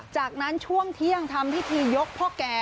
จากนั้นช่วงเที่ยงทำพิธียกพ่อแก่